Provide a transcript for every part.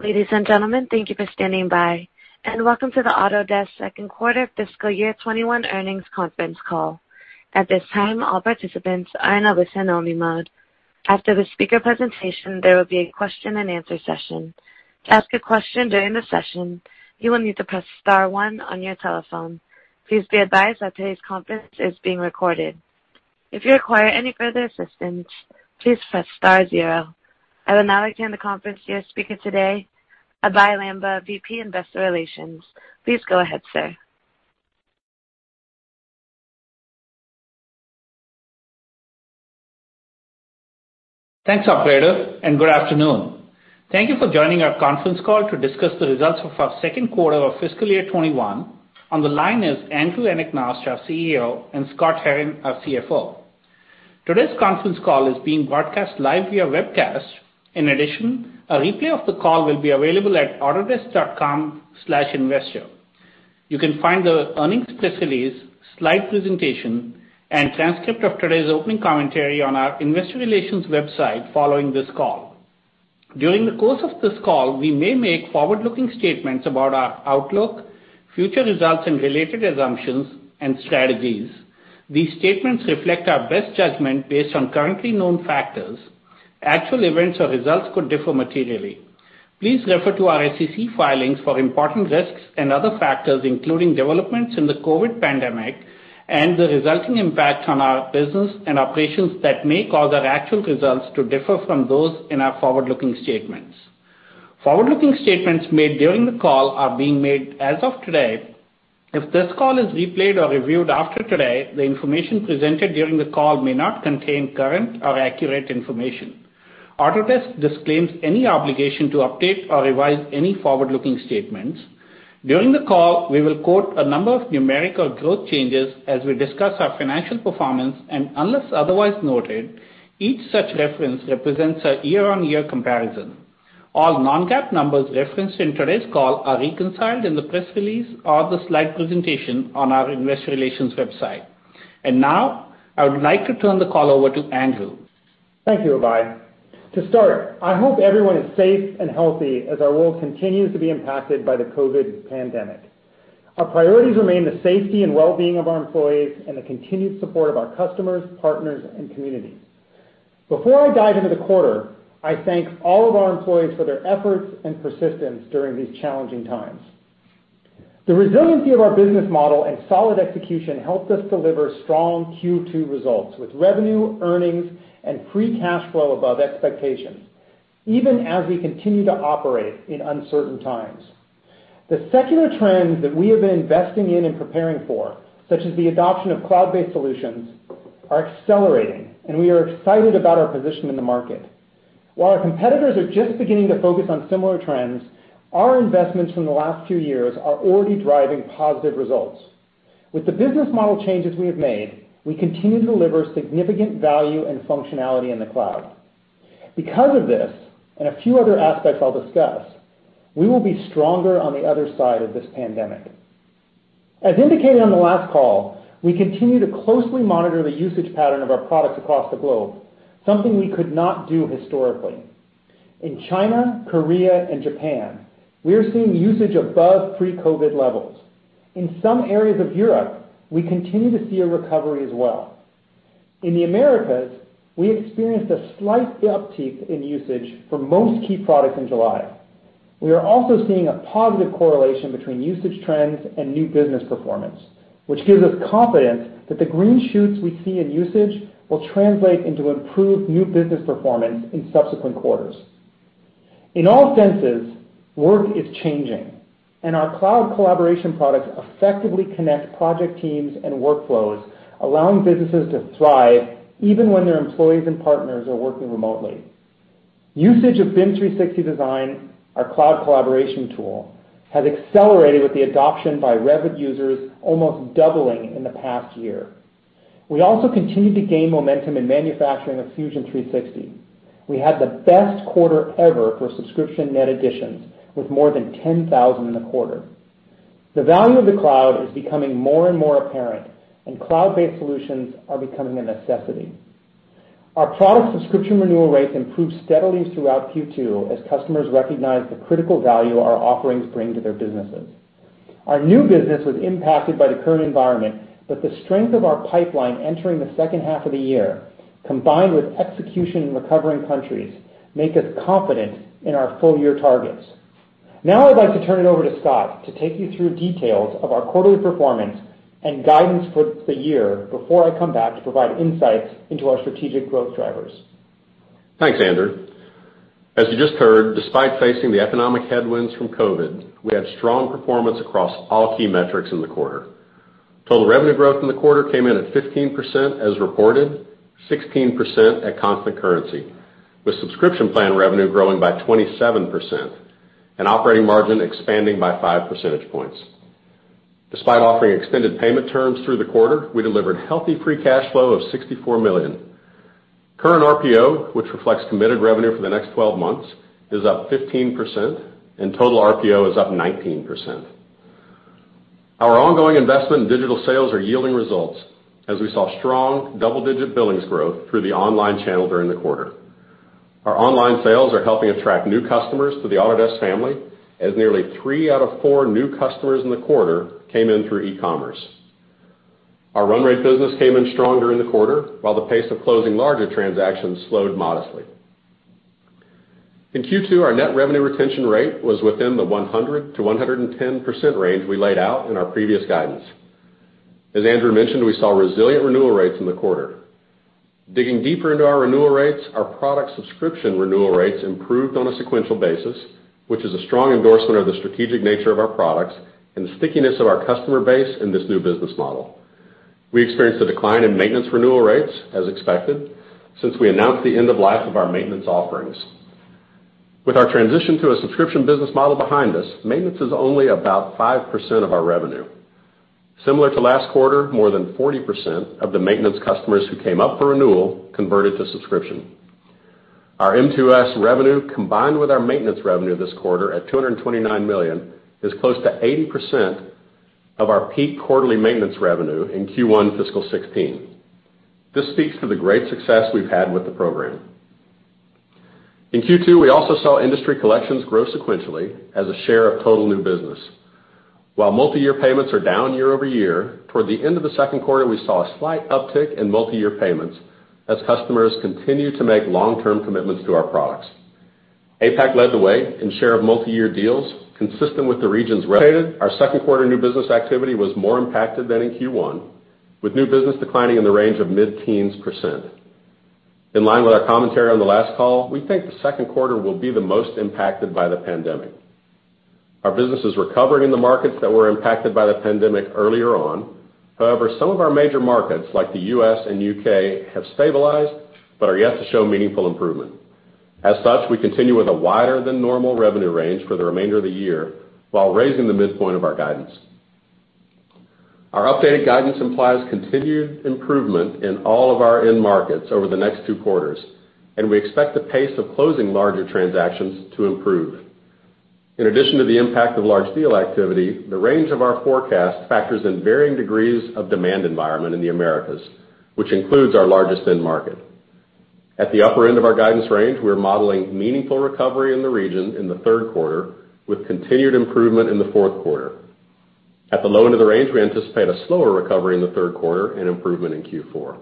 Ladies and gentlemen, thank you for standing by, and welcome to the Autodesk second quarter fiscal year 2021 earnings conference call. At this time all participants are on listen-only mode. After the speaker presentation there will be a question and answer session. To ask a question during the session, you will need to press star one on your telephone. Please be adviced that this call is being recorded. If you require any further assistance, please press star zero. I would now like to hand the conference to your speaker today, Abhey Lamba, VP, Investor Relations. Please go ahead, sir. Thanks, operator, and good afternoon. Thank you for joining our conference call to discuss the results of our second quarter of fiscal year 2021. On the line is Andrew Anagnost, our CEO, and Scott Herren, our CFO. Today's conference call is being broadcast live via webcast. In addition, a replay of the call will be available at autodesk.com/investor. You can find the earnings press release, slide presentation, and transcript of today's opening commentary on our investor relations website following this call. During the course of this call, we may make forward-looking statements about our outlook, future results, and related assumptions and strategies. These statements reflect our best judgment based on currently known factors. Actual events or results could differ materially. Please refer to our SEC filings for important risks and other factors, including developments in the COVID pandemic and the resulting impact on our business and operations that may cause our actual results to differ from those in our forward-looking statements. Forward-looking statements made during the call are being made as of today. If this call is replayed or reviewed after today, the information presented during the call may not contain current or accurate information. Autodesk disclaims any obligation to update or revise any forward-looking statements. During the call, we will quote a number of numerical growth changes as we discuss our financial performance, and unless otherwise noted, each such reference represents a year-on-year comparison. All non-GAAP numbers referenced in today's call are reconciled in the press release or the slide presentation on our investor relations website. Now, I would like to turn the call over to Andrew. Thank you, Abhey. To start, I hope everyone is safe and healthy as our world continues to be impacted by the COVID pandemic. Our priorities remain the safety and wellbeing of our employees and the continued support of our customers, partners, and communities. Before I dive into the quarter, I thank all of our employees for their efforts and persistence during these challenging times. The resiliency of our business model and solid execution helped us deliver strong Q2 results with revenue, earnings, and free cash flow above expectations, even as we continue to operate in uncertain times. The secular trends that we have been investing in and preparing for, such as the adoption of cloud-based solutions, are accelerating, and we are excited about our position in the market. While our competitors are just beginning to focus on similar trends, our investments from the last few years are already driving positive results. With the business model changes we have made, we continue to deliver significant value and functionality in the cloud. Because of this, and a few other aspects I'll discuss, we will be stronger on the other side of this pandemic. As indicated on the last call, we continue to closely monitor the usage pattern of our products across the globe, something we could not do historically. In China, Korea, and Japan, we are seeing usage above pre-COVID levels. In some areas of Europe, we continue to see a recovery as well. In the Americas, we experienced a slight uptick in usage for most key products in July. We are also seeing a positive correlation between usage trends and new business performance, which gives us confidence that the green shoots we see in usage will translate into improved new business performance in subsequent quarters. In all senses, work is changing, and our cloud collaboration products effectively connect project teams and workflows, allowing businesses to thrive even when their employees and partners are working remotely. Usage of BIM 360 Design, our cloud collaboration tool, has accelerated with the adoption by Revit users almost doubling in the past year. We also continue to gain momentum in manufacturing with Fusion 360. We had the best quarter ever for subscription net additions, with more than 10,000 in the quarter. The value of the cloud is becoming more and more apparent, and cloud-based solutions are becoming a necessity. Our product subscription renewal rates improved steadily throughout Q2 as customers recognized the critical value our offerings bring to their businesses. Our new business was impacted by the current environment, but the strength of our pipeline entering the second half of the year, combined with execution in recovering countries, make us confident in our full-year targets. Now I'd like to turn it over to Scott to take you through details of our quarterly performance and guidance for the year before I come back to provide insights into our strategic growth drivers. Thanks, Andrew. As you just heard, despite facing the economic headwinds from COVID, we had strong performance across all key metrics in the quarter. Total revenue growth in the quarter came in at 15% as reported, 16% at constant currency, with subscription plan revenue growing by 27% and operating margin expanding by five percentage points. Despite offering extended payment terms through the quarter, we delivered healthy free cash flow of $64 million. Current RPO, which reflects committed revenue for the next 12 months, is up 15%, and total RPO is up 19%. Our ongoing investment in digital sales are yielding results as we saw strong double-digit billings growth through the online channel during the quarter. Our online sales are helping attract new customers to the Autodesk family, as nearly three out of four new customers in the quarter came in through e-commerce. Our run rate business came in stronger in the quarter, while the pace of closing larger transactions slowed modestly. In Q2, our net revenue retention rate was within the 100%-110% range we laid out in our previous guidance. As Andrew mentioned, we saw resilient renewal rates in the quarter. Digging deeper into our renewal rates, our product subscription renewal rates improved on a sequential basis, which is a strong endorsement of the strategic nature of our products and the stickiness of our customer base in this new business model. We experienced a decline in maintenance renewal rates as expected, since we announced the end of life of our maintenance offerings. With our transition to a subscription business model behind us, maintenance is only about 5% of our revenue. Similar to last quarter, more than 40% of the maintenance customers who came up for renewal converted to subscription. Our M2S revenue, combined with our maintenance revenue this quarter at $229 million, is close to 80% of our peak quarterly maintenance revenue in Q1 fiscal 2016. This speaks to the great success we've had with the program. In Q2, we also saw industry collections grow sequentially as a share of total new business. While multi-year payments are down year-over-year, toward the end of the second quarter, we saw a slight uptick in multi-year payments as customers continue to make long-term commitments to our products. APAC led the way in share of multi-year deals, consistent with the region's. Our second quarter new business activity was more impacted than in Q1, with new business declining in the range of mid-teens percent. In line with our commentary on the last call, we think the second quarter will be the most impacted by the pandemic. Our business is recovering in the markets that were impacted by the pandemic earlier on. Some of our major markets, like the U.S. and U.K., have stabilized but are yet to show meaningful improvement. We continue with a wider than normal revenue range for the remainder of the year while raising the midpoint of our guidance. Our updated guidance implies continued improvement in all of our end markets over the next two quarters, and we expect the pace of closing larger transactions to improve. In addition to the impact of large deal activity, the range of our forecast factors in varying degrees of demand environment in the Americas, which includes our largest end market. At the upper end of our guidance range, we're modeling meaningful recovery in the region in the third quarter, with continued improvement in the fourth quarter. At the low end of the range, we anticipate a slower recovery in the third quarter and improvement in Q4.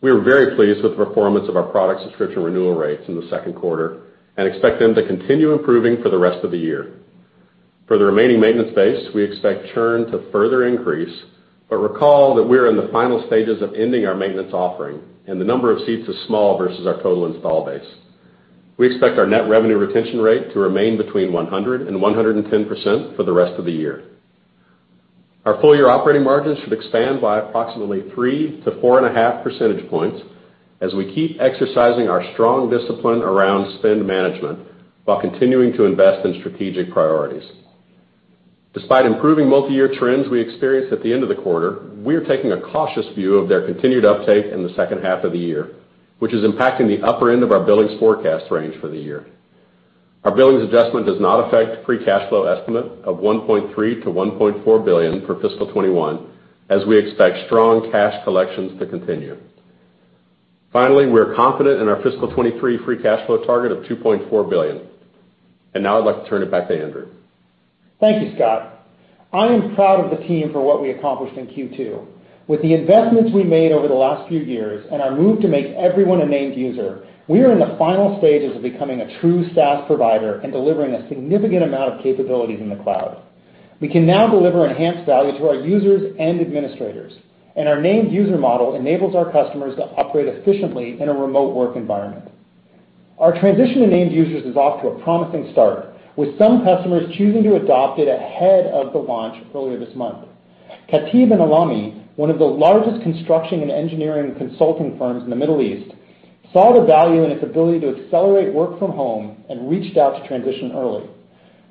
We are very pleased with the performance of our product subscription renewal rates in the second quarter and expect them to continue improving for the rest of the year. For the remaining maintenance base, we expect churn to further increase, but recall that we are in the final stages of ending our maintenance offering, and the number of seats is small versus our total install base. We expect our net revenue retention rate to remain between 100% and 110% for the rest of the year. Our full-year operating margins should expand by approximately 3-4.5 percentage points as we keep exercising our strong discipline around spend management while continuing to invest in strategic priorities. Despite improving multi-year trends we experienced at the end of the quarter, we are taking a cautious view of their continued uptake in the second half of the year, which is impacting the upper end of our billings forecast range for the year. Our billings adjustment does not affect free cash flow estimate of $1.3-1.4 billion for fiscal 2021, as we expect strong cash collections to continue. We are confident in our fiscal 2023 free cash flow target of $2.4 billion. Now I'd like to turn it back to Andrew. Thank you, Scott. I am proud of the team for what we accomplished in Q2. With the investments we made over the last few years and our move to make everyone a named user, we are in the final stages of becoming a true SaaS provider and delivering a significant amount of capabilities in the cloud. We can now deliver enhanced value to our users and administrators, and our named user model enables our customers to operate efficiently in a remote work environment. Our transition to named users is off to a promising start, with some customers choosing to adopt it ahead of the launch earlier this month. Khatib & Alami, one of the largest construction and engineering consulting firms in the Middle East, saw the value in its ability to accelerate work from home and reached out to transition early.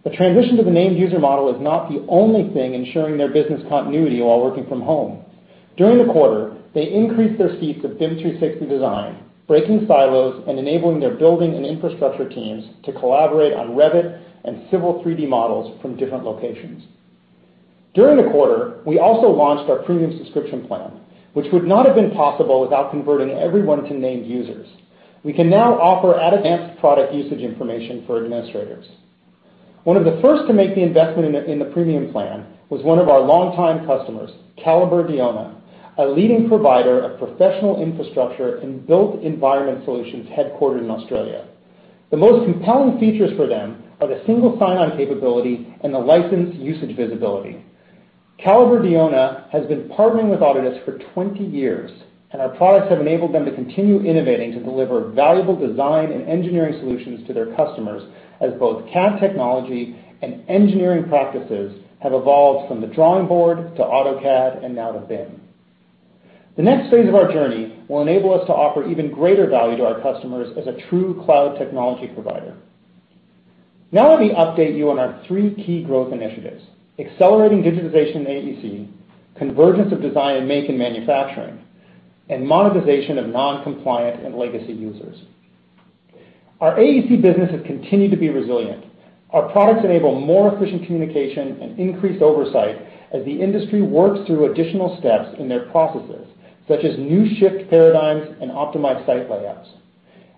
The transition to the named user model is not the only thing ensuring their business continuity while working from home. During the quarter, they increased their seats of BIM 360 Design, breaking silos and enabling their building and infrastructure teams to collaborate on Revit and Civil 3D models from different locations. During the quarter, we also launched our premium subscription plan, which would not have been possible without converting everyone to named users. We can now offer advanced product usage information for administrators. One of the first to make the investment in the premium plan was one of our longtime customers, Calibre Group, a leading provider of professional infrastructure and built environment solutions headquartered in Australia. The most compelling features for them are the single sign-on capability and the license usage visibility. Calibre Group has been partnering with Autodesk for 20 years. Our products have enabled them to continue innovating to deliver valuable design and engineering solutions to their customers as both CAD technology and engineering practices have evolved from the drawing board to AutoCAD and now to BIM. Now let me update you on our three key growth initiatives: accelerating digitization in AEC, convergence of design and make in manufacturing, and monetization of noncompliant and legacy users. Our AEC business has continued to be resilient. Our products enable more efficient communication and increased oversight as the industry works through additional steps in their processes, such as new shift paradigms and optimized site layouts.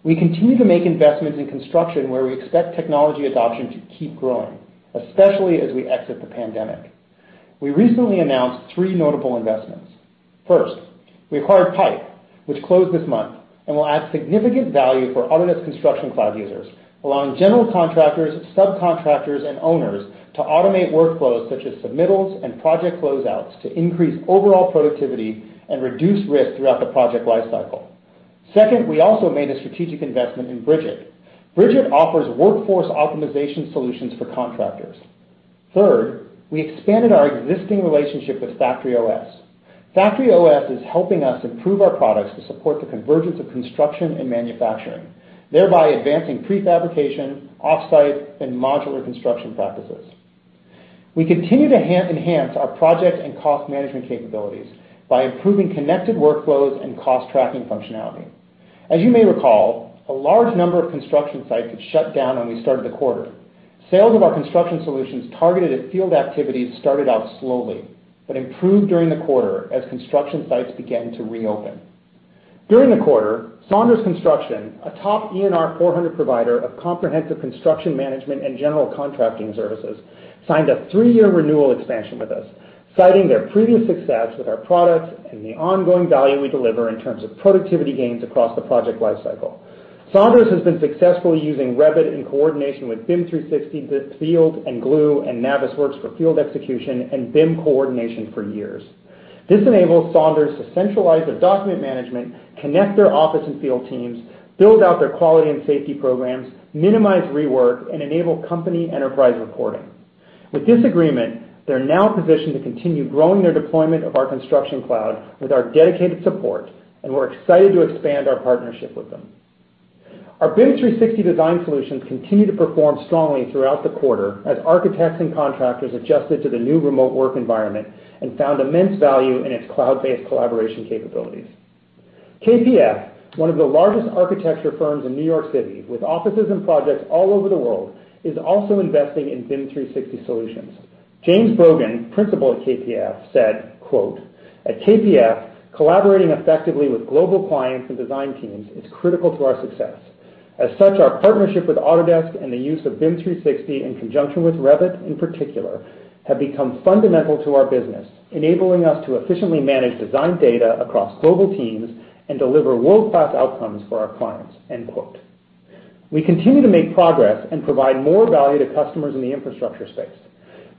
We continue to make investments in construction where we expect technology adoption to keep growing, especially as we exit the pandemic. We recently announced three notable investments. First, we acquired Pype, which closed this month and will add significant value for Autodesk Construction Cloud users, allowing general contractors, subcontractors, and owners to automate workflows such as submittals and project closeouts to increase overall productivity and reduce risk throughout the project life cycle. Second, we also made a strategic investment in Bridgit. Bridgit offers workforce optimization solutions for contractors. Third, we expanded our existing relationship with Factory_OS. Factory_OS is helping us improve our products to support the convergence of construction and manufacturing, thereby advancing pre-fabrication, off-site, and modular construction practices. We continue to enhance our project and cost management capabilities by improving connected workflows and cost-tracking functionality. As you may recall, a large number of construction sites had shut down when we started the quarter. Sales of our construction solutions targeted at field activities started out slowly but improved during the quarter as construction sites began to reopen. During the quarter, Saunders Construction, a top ENR 400 provider of comprehensive construction management and general contracting services, signed a three-year renewal expansion with us, citing their previous success with our products and the ongoing value we deliver in terms of productivity gains across the project life cycle. Saunders has been successfully using Revit in coordination with BIM 360 Field and BIM 360 Glue and Navisworks for field execution and BIM coordination for years. This enables Saunders to centralize their document management, connect their office and field teams, build out their quality and safety programs, minimize rework, and enable company enterprise reporting. With this agreement, they're now positioned to continue growing their deployment of our Construction Cloud with our dedicated support, and we're excited to expand our partnership with them. Our BIM 360 Design solutions continued to perform strongly throughout the quarter as architects and contractors adjusted to the new remote work environment and found immense value in its cloud-based collaboration capabilities. KPF, one of the largest architecture firms in New York City with offices and projects all over the world, is also investing in BIM 360 solutions. James Brogan, principal at KPF, said, "At KPF, collaborating effectively with global clients and design teams is critical to our success. As such, our partnership with Autodesk and the use of BIM 360 in conjunction with Revit, in particular, have become fundamental to our business, enabling us to efficiently manage design data across global teams and deliver world-class outcomes for our clients." We continue to make progress and provide more value to customers in the infrastructure space.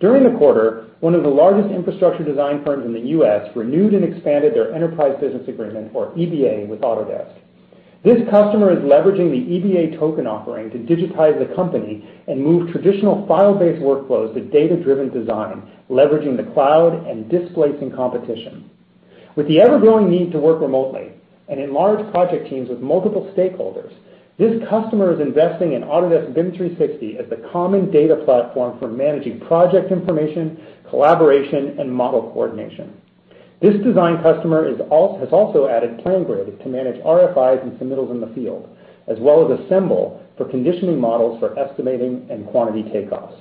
During the quarter, one of the largest infrastructure design firms in the U.S. renewed and expanded their enterprise business agreement, or EBA, with Autodesk. This customer is leveraging the EBA token offering to digitize the company and move traditional file-based workflows to data-driven design, leveraging the cloud and displacing competition. With the ever-growing need to work remotely and enlarge project teams with multiple stakeholders, this customer is investing in Autodesk BIM 360 as the common data platform for managing project information, collaboration, and model coordination. This design customer has also added PlanGrid to manage RFIs and submittals in the field, as well as Assemble for conditioning models for estimating and quantity takeoffs.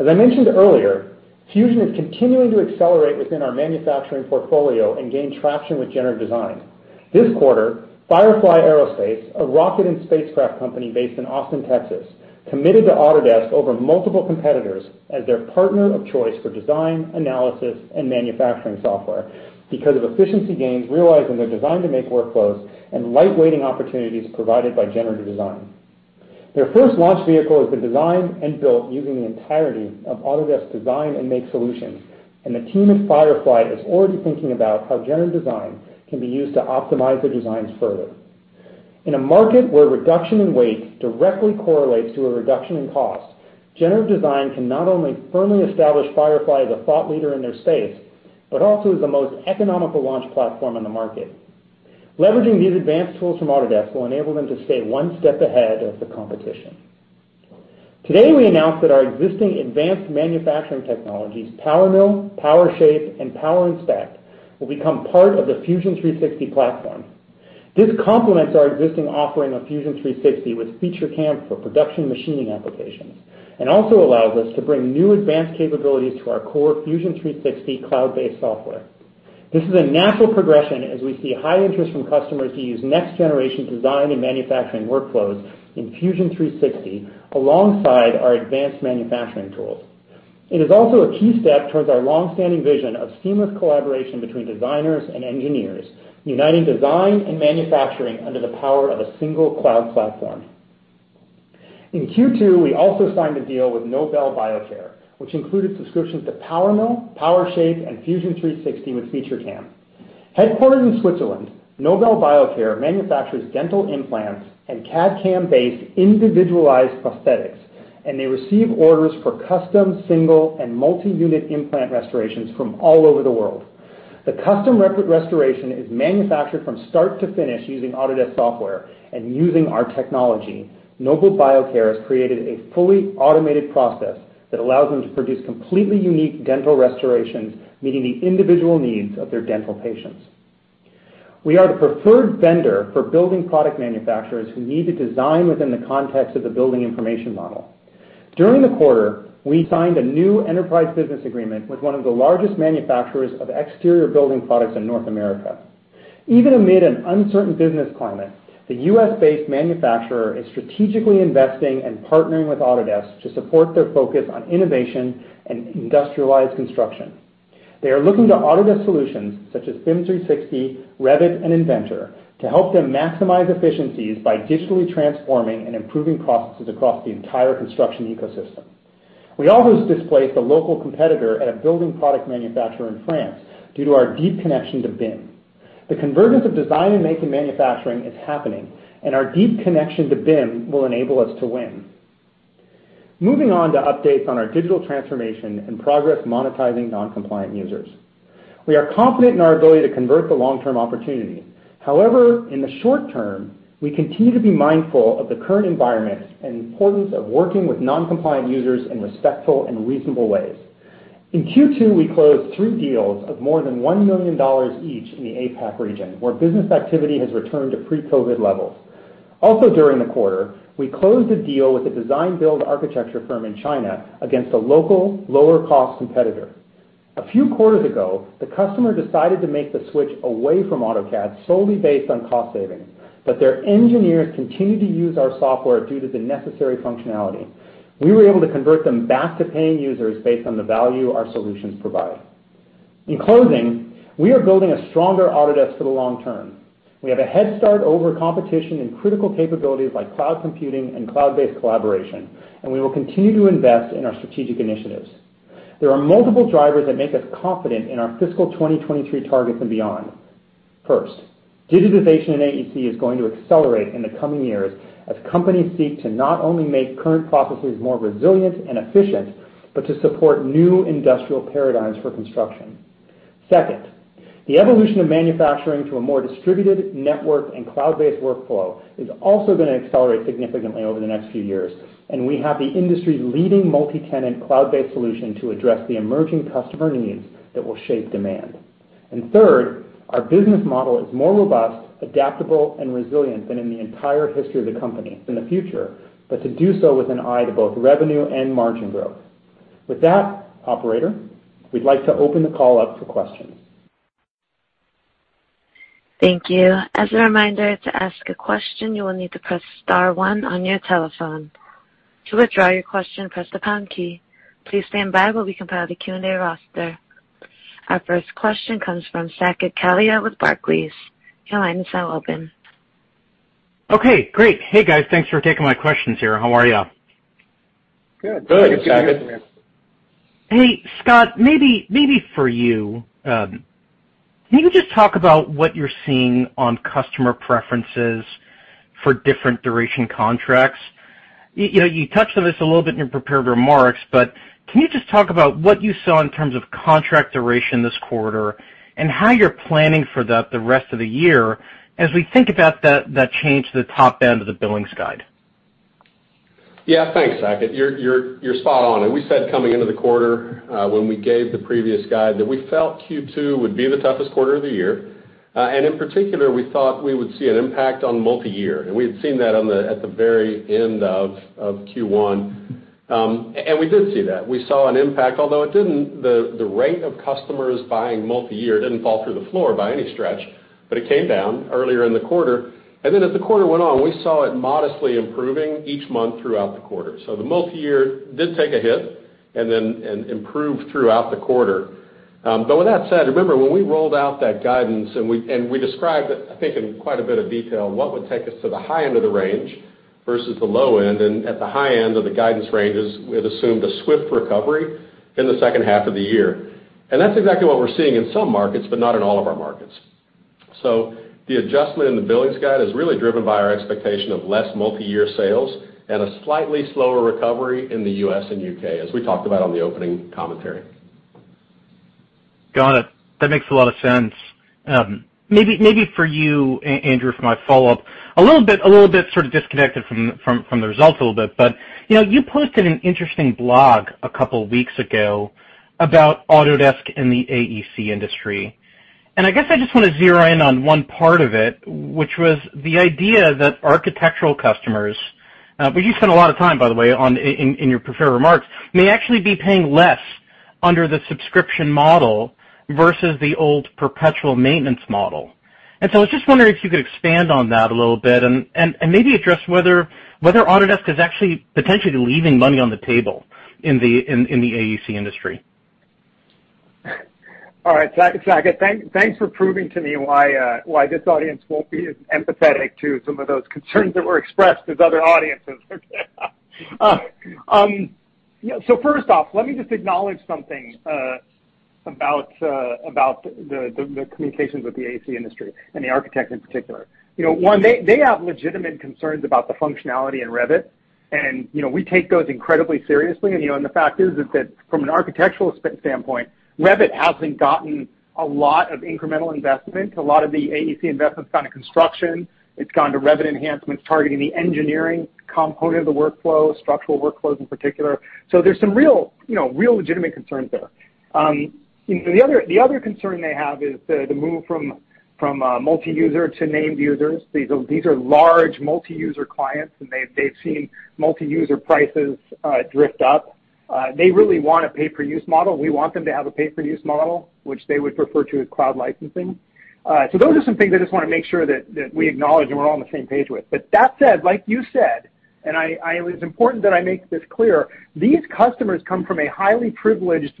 As I mentioned earlier, Fusion is continuing to accelerate within our manufacturing portfolio and gain traction with generative design. This quarter, Firefly Aerospace, a rocket and spacecraft company based in Austin, Texas, committed to Autodesk over multiple competitors as their partner of choice for design, analysis, and manufacturing software because of efficiency gains realized in their design to make workflows and lightweighting opportunities provided by generative design. Their first launch vehicle has been designed and built using the entirety of Autodesk's design and make solutions, and the team at Firefly is already thinking about how generative design can be used to optimize their designs further. In a market where a reduction in weight directly correlates to a reduction in cost, generative design can not only firmly establish Firefly as a thought leader in their space, but also as the most economical launch platform on the market. Leveraging these advanced tools from Autodesk will enable them to stay one step ahead of the competition. Today, we announced that our existing advanced manufacturing technologies, PowerMill, PowerShape, and PowerInspect, will become part of the Fusion 360 platform. This complements our existing offering of Fusion 360 with FeatureCAM for production machining applications and also allows us to bring new advanced capabilities to our core Fusion 360 cloud-based software. This is a natural progression as we see high interest from customers to use next-generation design and manufacturing workflows in Fusion 360 alongside our advanced manufacturing tools. It is also a key step towards our long-standing vision of seamless collaboration between designers and engineers, uniting design and manufacturing under the power of a single cloud platform. In Q2, we also signed a deal with Nobel Biocare, which included subscriptions to PowerMill, PowerShape, and Fusion 360 with FeatureCAM. Headquartered in Switzerland, Nobel Biocare manufactures dental implants and CAD/CAM-based individualized prosthetics, and they receive orders for custom single and multi-unit implant restorations from all over the world. The custom restoration is manufactured from start to finish using Autodesk software, and using our technology, Nobel Biocare has created a fully automated process that allows them to produce completely unique dental restorations, meeting the individual needs of their dental patients. We are the preferred vendor for building product manufacturers who need to design within the context of the building information model. During the quarter, we signed a new enterprise business agreement with one of the largest manufacturers of exterior building products in North America. Even amid an uncertain business climate, the U.S.-based manufacturer is strategically investing and partnering with Autodesk to support their focus on innovation and industrialized construction. They are looking to Autodesk solutions such as BIM 360, Revit, and Inventor to help them maximize efficiencies by digitally transforming and improving processes across the entire construction ecosystem. We also displaced a local competitor at a building product manufacturer in France due to our deep connection to BIM. The convergence of design and making manufacturing is happening, and our deep connection to BIM will enable us to win. Moving on to updates on our digital transformation and progress monetizing noncompliant users. We are confident in our ability to convert the long-term opportunity. However, in the short term, we continue to be mindful of the current environment and the importance of working with noncompliant users in respectful and reasonable ways. In Q2, we closed three deals of more than $1 million each in the APAC region, where business activity has returned to pre-COVID levels. Also during the quarter, we closed a deal with a design build architecture firm in China against a local lower-cost competitor. A few quarters ago, the customer decided to make the switch away from AutoCAD solely based on cost savings, but their engineers continued to use our software due to the necessary functionality. We were able to convert them back to paying users based on the value our solutions provide. In closing, we are building a stronger Autodesk for the long term. We have a head start over competition in critical capabilities like cloud computing and cloud-based collaboration, and we will continue to invest in our strategic initiatives. There are multiple drivers that make us confident in our fiscal 2023 targets and beyond. First, digitization in AEC is going to accelerate in the coming years as companies seek to not only make current processes more resilient and efficient, but to support new industrial paradigms for construction. Second, the evolution of manufacturing to a more distributed network and cloud-based workflow is also going to accelerate significantly over the next few years, and we have the industry's leading multi-tenant cloud-based solution to address the emerging customer needs that will shape demand. Third, our business model is more robust, adaptable, and resilient than in the entire history of the company. In the future, to do so with an eye to both revenue and margin growth. With that, operator, we'd like to open the call up for questions. Thank you. As a reminder to ask question, press star one on your telephone. To withdraw your question press key. Please stand-by as we compile the Q&A roster. Our first question comes from Saket Kalia with Barclays. Your line is now open. Okay, great. Hey, guys. Thanks for taking my questions here. How are y'all? Good. Good. Hey, Scott, maybe for you. Can you just talk about what you're seeing on customer preferences for different duration contracts? You touched on this a little bit in your prepared remarks, but can you just talk about what you saw in terms of contract duration this quarter and how you're planning for that the rest of the year, as we think about that change to the top end of the billings guide? Yeah. Thanks, Saket. You're spot on. We said coming into the quarter, when we gave the previous guide, that we felt Q2 would be the toughest quarter of the year. In particular, we thought we would see an impact on multi-year. We had seen that at the very end of Q1. We did see that. We saw an impact, although the rate of customers buying multi-year didn't fall through the floor by any stretch, but it came down earlier in the quarter. As the quarter went on, we saw it modestly improving each month throughout the quarter. The multi-year did take a hit and then improved throughout the quarter. With that said, remember when we rolled out that guidance and we described it, I think, in quite a bit of detail, what would take us to the high end of the range versus the low end. At the high end of the guidance ranges, it assumed a swift recovery in the second half of the year. That's exactly what we're seeing in some markets, but not in all of our markets. The adjustment in the billings guide is really driven by our expectation of less multi-year sales and a slightly slower recovery in the U.S. and U.K., as we talked about on the opening commentary. Got it. That makes a lot of sense. Maybe for you, Andrew, for my follow-up. A little bit sort of disconnected from the results a little bit, but you posted an interesting blog a couple weeks ago about Autodesk and the AEC industry. I guess I just want to zero in on one part of it, which was the idea that architectural customers, which you spent a lot of time, by the way, in your prepared remarks, may actually be paying less under the subscription model versus the old perpetual maintenance model. I was just wondering if you could expand on that a little bit and maybe address whether Autodesk is actually potentially leaving money on the table in the AEC industry. All right, Saket. Thanks for proving to me why this audience won't be as empathetic to some of those concerns that were expressed as other audiences. First off, let me just acknowledge something about the communications with the AEC industry and the architect in particular. One, they have legitimate concerns about the functionality in Revit. We take those incredibly seriously. The fact is that from an architectural standpoint, Revit hasn't gotten a lot of incremental investment. A lot of the AEC investment's gone to construction. It's gone to Revit enhancements targeting the engineering component of the workflow, structural workflows in particular. There's some real legitimate concerns there. The other concern they have is the move from multi-user to named users. These are large multi-user clients, and they've seen multi-user prices drift up. They really want a pay-per-use model. We want them to have a pay-per-use model, which they would refer to as cloud licensing. Those are some things I just want to make sure that we acknowledge and we're all on the same page with. That said, like you said, and it's important that I make this clear, these customers come from a highly privileged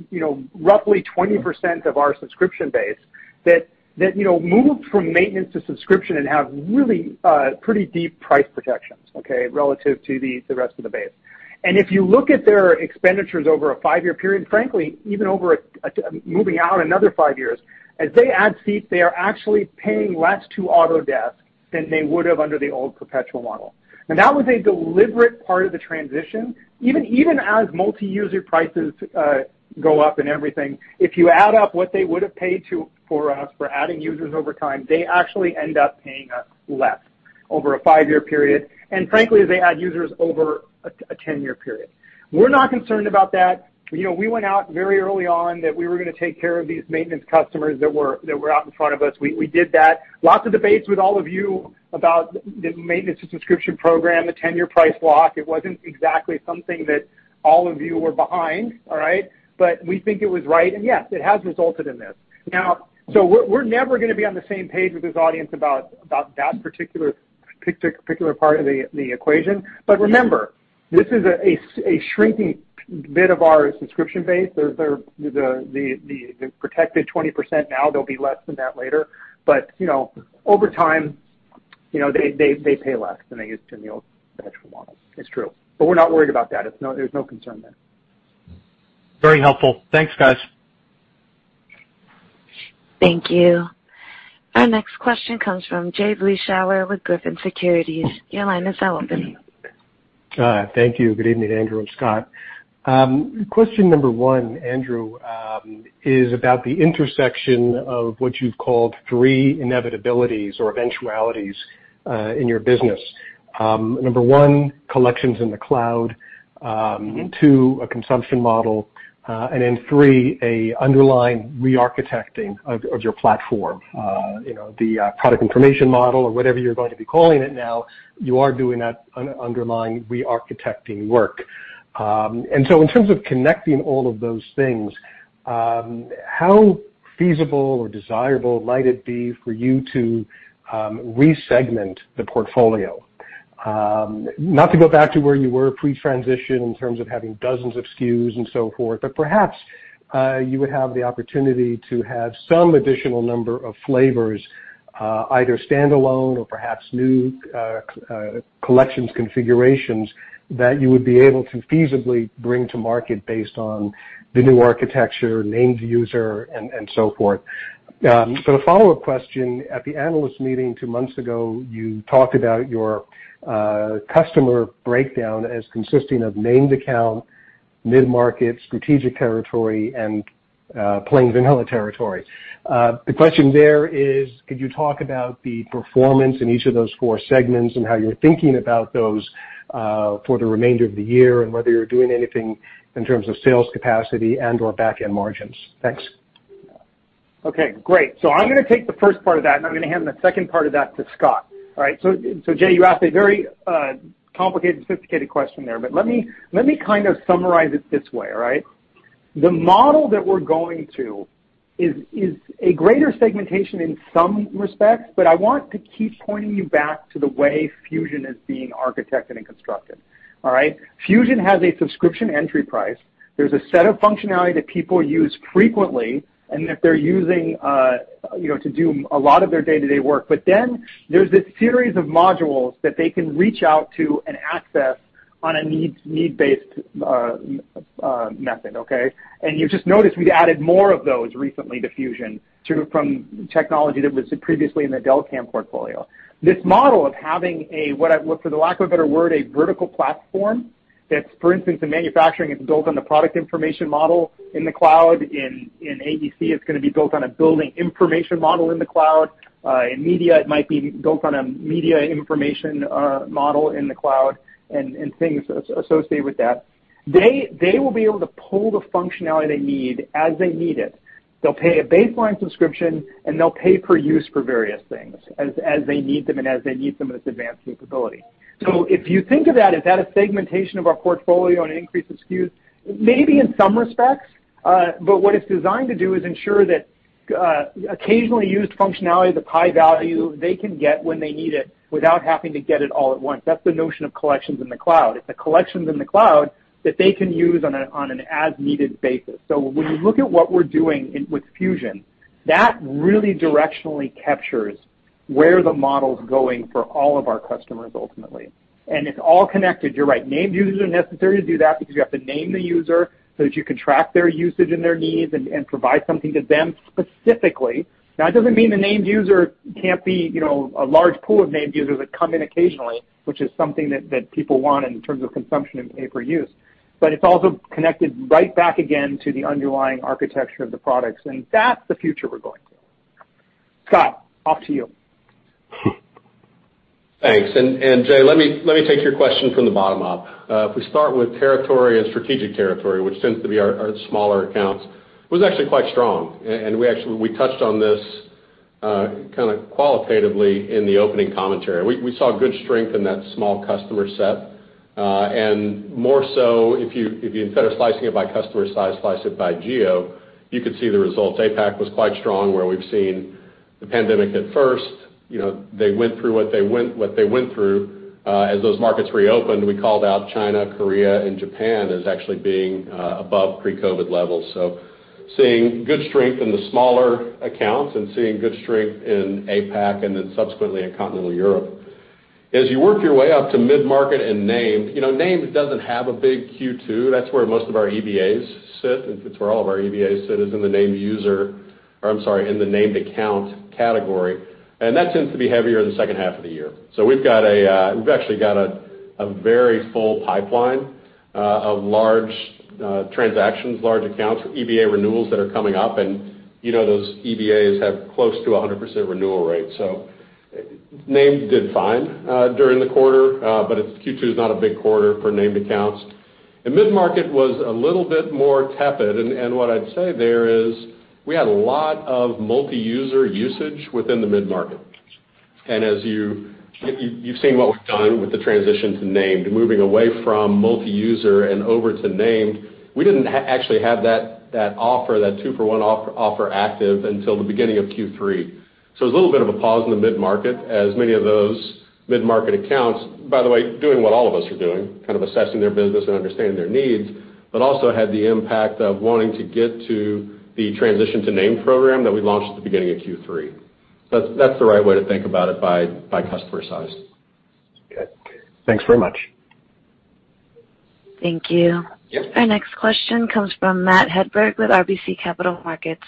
roughly 20% of our subscription base that moved from maintenance to subscription and have really pretty deep price protections, okay, relative to the rest of the base. If you look at their expenditures over a five-year period, frankly, even over moving out another five years, as they add seats, they are actually paying less to Autodesk than they would have under the old perpetual model. That was a deliberate part of the transition. Even as multi-user prices go up and everything, if you add up what they would have paid for us for adding users over time, they actually end up paying us less over a five-year period, and frankly, as they add users over a 10-year period. We're not concerned about that. We went out very early on that we were going to take care of these maintenance customers that were out in front of us. We did that. Lots of debates with all of you about the maintenance to subscription program, the 10-year price lock. It wasn't exactly something that all of you were behind. All right? We think it was right. Yes, it has resulted in this. We're never going to be on the same page with this audience about that particular part of the equation. Remember, this is a shrinking bit of our subscription base. They're the protected 20% now. They'll be less than that later. Over time, they pay less than they used to in the old perpetual model. It's true. We're not worried about that. There's no concern there. Very helpful. Thanks, guys. Thank you. Our next question comes from Jay Vleeschhouwer with Griffin Securities. Your line is now open. Thank you. Good evening, Andrew and Scott. Question number one, Andrew, is about the intersection of what you've called three inevitabilities or eventualities in your business. Number one, collections in the cloud. two, a consumption model, and three, a underlying re-architecting of your platform. The product information model or whatever you're going to be calling it now, you are doing that underlying re-architecting work. In terms of connecting all of those things, how feasible or desirable might it be for you to re-segment the portfolio? Not to go back to where you were pre-transition in terms of having dozens of SKUs and so forth, but perhaps, you would have the opportunity to have some additional number of flavors, either standalone or perhaps new collections configurations that you would be able to feasibly bring to market based on the new architecture, named user, and so forth. The follow-up question, at the analyst meeting two months ago, you talked about your customer breakdown as consisting of named account, mid-market, strategic territory, and plain vanilla territory. The question there is, could you talk about the performance in each of those four segments and how you're thinking about those for the remainder of the year and whether you're doing anything in terms of sales capacity and/or back-end margins? Thanks. Okay, great. I'm going to take the first part of that, and I'm going to hand the second part of that to Scott. All right? Jay, you asked a very complicated, sophisticated question there, but let me kind of summarize it this way, all right? The model that we're going to is a greater segmentation in some respects, but I want to keep pointing you back to the way Fusion is being architected and constructed. All right? Fusion has a subscription entry price. There's a set of functionality that people use frequently, and that they're using to do a lot of their day-to-day work. There's this series of modules that they can reach out to and access on a needs-based method, okay? You've just noticed we've added more of those recently to Fusion from technology that was previously in the Delcam portfolio. This model of having, for the lack of a better word, a vertical platform that's, for instance, in manufacturing, it's built on the product information model in the cloud. In AEC, it's going to be built on a building information model in the cloud. In media, it might be built on a media information model in the cloud, and things associated with that. They will be able to pull the functionality they need as they need it. They'll pay a baseline subscription, and they'll pay per use for various things as they need them and as they need them as advanced capability. If you think of that, is that a segmentation of our portfolio and an increase of SKUs? Maybe in some respects. What it's designed to do is ensure that occasionally used functionality, the high value, they can get when they need it without having to get it all at once. That's the notion of collections in the cloud. It's the collections in the cloud that they can use on an as-needed basis. When you look at what we're doing with Fusion, that really directionally captures where the model's going for all of our customers, ultimately. It's all connected. You're right. Named users are necessary to do that because you have to name the user so that you can track their usage and their needs and provide something to them specifically. That doesn't mean the named user can't be a large pool of named users that come in occasionally, which is something that people want in terms of consumption and pay-per-use. It's also connected right back again to the underlying architecture of the products, and that's the future we're going to. Scott, off to you. Thanks. Jay, let me take your question from the bottom up. If we start with territory and strategic territory, which tends to be our smaller accounts, was actually quite strong. We touched on this kind of qualitatively in the opening commentary. We saw good strength in that small customer set. More so, if you, instead of slicing it by customer size, slice it by geo, you could see the results. APAC was quite strong, where we've seen the pandemic hit first. They went through what they went through. As those markets reopened, we called out China, Korea, and Japan as actually being above pre-COVID levels. Seeing good strength in the smaller accounts and seeing good strength in APAC and subsequently in Continental Europe. You work your way up to mid-market and named doesn't have a big Q2. That's where most of our EBAs sit. It's where all of our EBAs sit is in the named account category. That tends to be heavier in the second half of the year. We've actually got a very full pipeline of large transactions, large accounts for EBA renewals that are coming up. Those EBAs have close to 100% renewal rate. Named did fine during the quarter, but Q2 is not a big quarter for named accounts. Mid-market was a little bit more tepid. What I'd say there is we had a lot of multi-user usage within the mid-market. As you've seen what we've done with the transition to named, moving away from multi-user and over to named, we didn't actually have that offer, that two-for-one offer active until the beginning of Q3. There's a little bit of a pause in the mid-market as many of those mid-market accounts, by the way, doing what all of us are doing, kind of assessing their business and understanding their needs, but also had the impact of wanting to get to the transition to named program that we launched at the beginning of Q3. That's the right way to think about it by customer size. Okay. Thanks very much. Thank you. Yes. Our next question comes from Matthew Hedberg with RBC Capital Markets.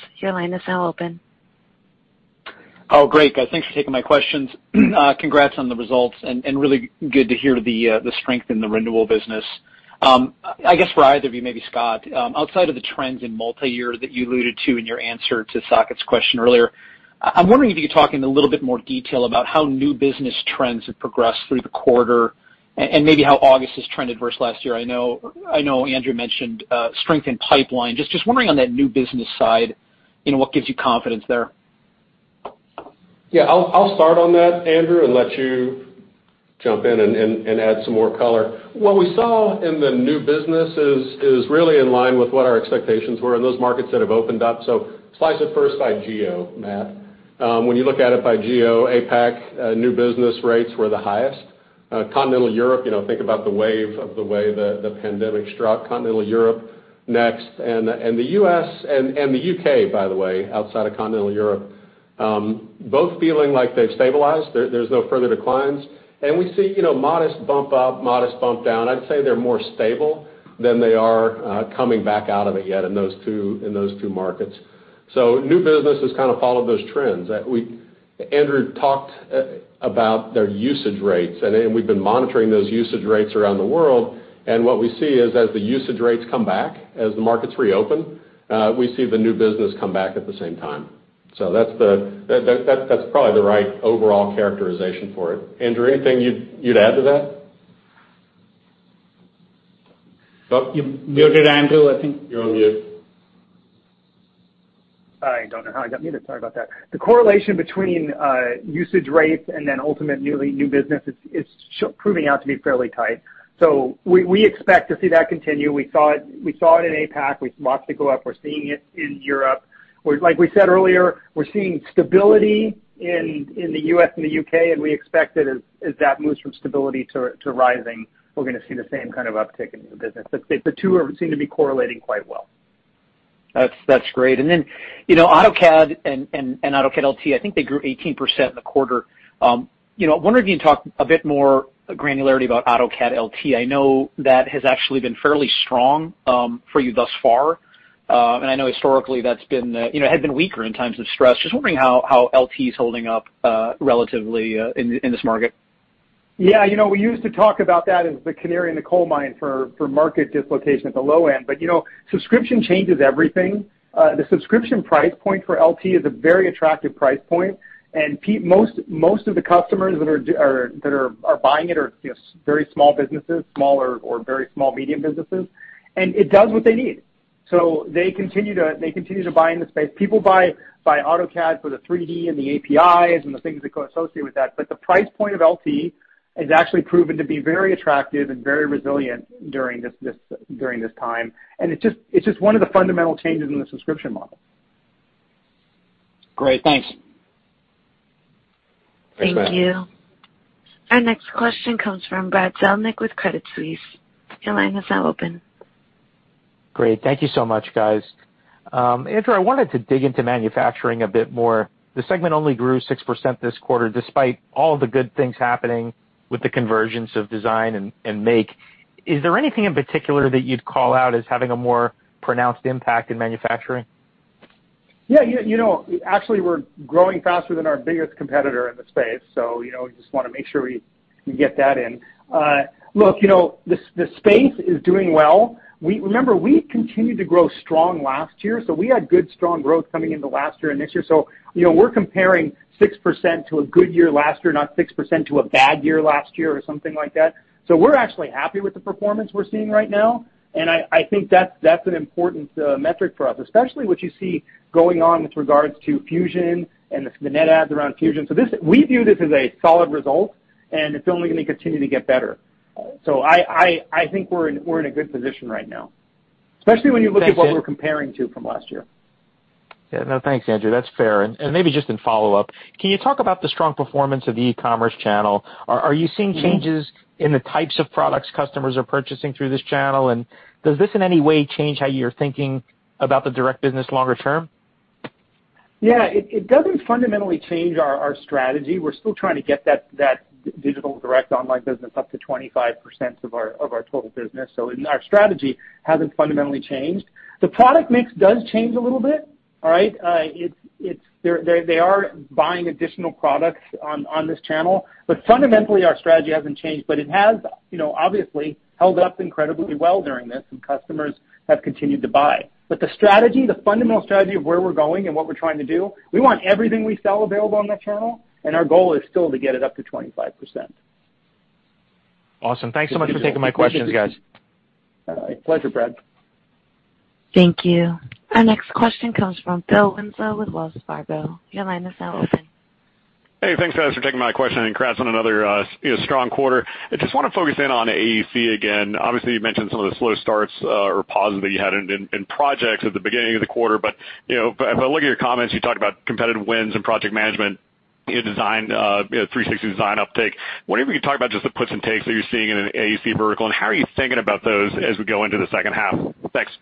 Oh, great. Guys, thanks for taking my questions. Congrats on the results, and really good to hear the strength in the renewal business. I guess for either of you, maybe Scott, outside of the trends in multi-year that you alluded to in your answer to Saket's question earlier, I'm wondering if you could talk in a little bit more detail about how new business trends have progressed through the quarter and maybe how August has trended versus last year. I know Andrew mentioned strength in pipeline. Just wondering on that new business side, what gives you confidence there? Yeah, I'll start on that, Andrew, and let you jump in and add some more color. What we saw in the new business is really in line with what our expectations were in those markets that have opened up. Slice it first by geo, Matt. When you look at it by geo, APAC new business rates were the highest. Continental Europe, think about the wave of the way the pandemic struck Continental Europe next. The U.S. and the U.K., by the way, outside of Continental Europe, both feeling like they've stabilized. There's no further declines. We see modest bump up, modest bump down. I'd say they're more stable than they are coming back out of it yet in those two markets. New business has kind of followed those trends. Andrew talked about their usage rates, and we've been monitoring those usage rates around the world. What we see is as the usage rates come back, as the markets reopen, we see the new business come back at the same time. That's probably the right overall characterization for it. Andrew, anything you'd add to that? You muted, Andrew, I think. You're on mute. I don't know how I got muted. Sorry about that. The correlation between usage rates and then ultimate new business is proving out to be fairly tight. We expect to see that continue. We saw it in APAC with lots to go up. We're seeing it in Europe. Like we said earlier, we're seeing stability in the U.S. and the U.K., and we expect that as that moves from stability to rising, we're going to see the same kind of uptick in new business. The two seem to be correlating quite well. That's great. Then AutoCAD and AutoCAD LT, I think they grew 18% in the quarter. I wonder if you can talk a bit more granularity about AutoCAD LT. I know that has actually been fairly strong for you thus far. I know historically that had been weaker in times of stress. Just wondering how LT is holding up relatively in this market. Yeah. We used to talk about that as the canary in the coal mine for market dislocation at the low end. Subscription changes everything. The subscription price point for LT is a very attractive price point. Most of the customers that are buying it are very small businesses, small or very small-medium businesses. It does what they need. They continue to buy in the space. People buy AutoCAD for the 3D and the APIs and the things associated with that. The price point of LT has actually proven to be very attractive and very resilient during this time. It's just one of the fundamental changes in the subscription model. Great. Thanks. Thank you. Our next question comes from Brad Zelnick with Credit Suisse. Your line is now open. Great. Thank you so much, guys. Andrew, I wanted to dig into manufacturing a bit more. The segment only grew 6% this quarter, despite all the good things happening with the convergence of design and make. Is there anything in particular that you'd call out as having a more pronounced impact in manufacturing? Yeah. Actually, we're growing faster than our biggest competitor in the space, so, just want to make sure we get that in. Look, the space is doing well. Remember, we continued to grow strong last year, so we had good, strong growth coming into last year and this year. We're comparing 6% to a good year last year, not 6% to a bad year last year or something like that. We're actually happy with the performance we're seeing right now, and I think that's an important metric for us, especially what you see going on with regards to Fusion and the net adds around Fusion. We view this as a solid result, and it's only going to continue to get better. I think we're in a good position right now. Thanks, Andrew. Especially when you look at what we're comparing to from last year. Yeah. No, thanks, Andrew. That's fair. Maybe just in follow-up, can you talk about the strong performance of the e-commerce channel? Are you seeing changes in the types of products customers are purchasing through this channel? Does this in any way change how you're thinking about the direct business longer term? Yeah. It doesn't fundamentally change our strategy. We're still trying to get that digital direct online business up to 25% of our total business. Our strategy hasn't fundamentally changed. The product mix does change a little bit. All right? They are buying additional products on this channel. Fundamentally, our strategy hasn't changed. It has, obviously, held up incredibly well during this, and customers have continued to buy. The strategy, the fundamental strategy of where we're going and what we're trying to do, we want everything we sell available on that channel, and our goal is still to get it up to 25%. Awesome. Thanks so much for taking my questions, guys. Pleasure, Brad. Thank you. Our next question comes from Philip Winslow with Wells Fargo. Your line is now open. Hey, thanks, guys, for taking my question. Congrats on another strong quarter. I just want to focus in on AEC again. Obviously, you mentioned some of the slow starts or pauses that you had in projects at the beginning of the quarter. If I look at your comments, you talked about competitive wins and project management in design, 360 Design uptake. Wondering if you could talk about just the puts and takes that you're seeing in an AEC vertical, and how are you thinking about those as we go into the second half? Thanks.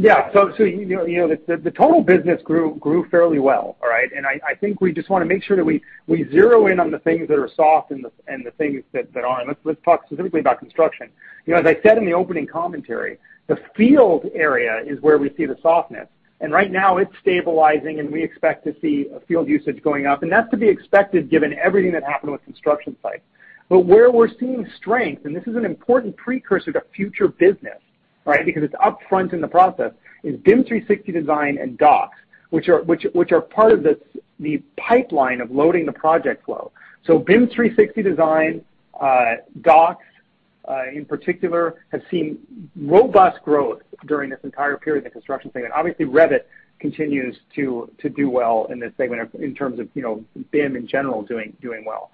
Yeah. The total business grew fairly well, all right? I think we just want to make sure that we zero in on the things that are soft and the things that aren't. Let's talk specifically about construction. As I said in the opening commentary, the field area is where we see the softness. Right now it's stabilizing, and we expect to see field usage going up. That's to be expected given everything that happened with construction sites. Where we're seeing strength, and this is an important precursor to future business, because it's upfront in the process, is BIM 360 Design and Docs, which are part of the pipeline of loading the project flow. BIM 360 Design, Docs, in particular, have seen robust growth during this entire period in the construction segment. Obviously, Revit continues to do well in this segment in terms of BIM in general doing well.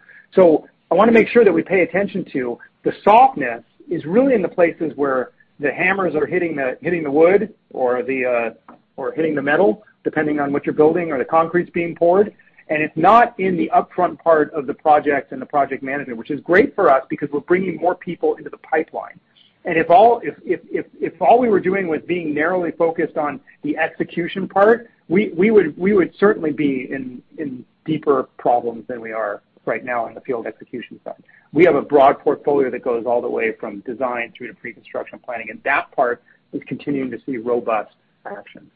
I want to make sure that we pay attention to the softness is really in the places where the hammers are hitting the wood or hitting the metal, depending on what you're building, or the concrete's being poured. It's not in the upfront part of the project and the project management, which is great for us because we're bringing more people into the pipeline. If all we were doing was being narrowly focused on the execution part, we would certainly be in deeper problems than we are right now on the field execution side. We have a broad portfolio that goes all the way from design through to pre-construction planning, and that part is continuing to see robust action.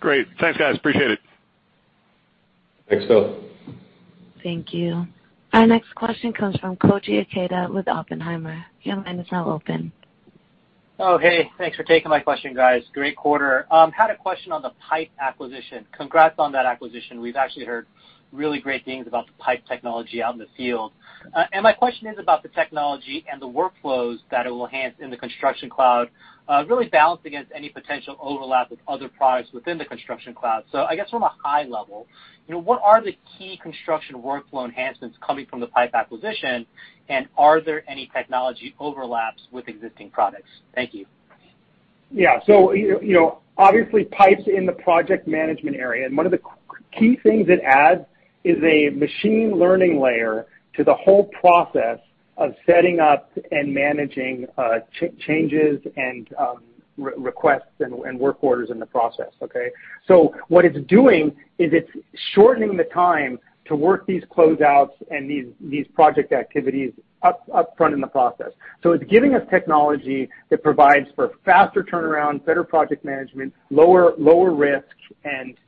Great. Thanks, guys. Appreciate it. Thanks, Phil. Thank you. Our next question comes from Koji Ikeda with Oppenheimer. Your line is now open Oh, hey. Thanks for taking my question, guys. Great quarter. Had a question on the Pype acquisition. Congrats on that acquisition. We've actually heard really great things about the Pype technology out in the field. My question is about the technology and the workflows that it will enhance in the Construction Cloud, really balanced against any potential overlap with other products within the Construction Cloud. I guess from a high level, what are the key construction workflow enhancements coming from the Pype acquisition, and are there any technology overlaps with existing products? Thank you. Obviously, Pype's in the project management area, and one of the key things it adds is a machine learning layer to the whole process of setting up and managing changes and requests and work orders in the process. Okay? What it's doing is it's shortening the time to work these closeouts and these project activities up front in the process. It's giving us technology that provides for faster turnaround, better project management, lower risk,